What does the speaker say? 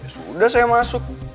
sudah saya masuk